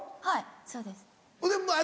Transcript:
はいそうです。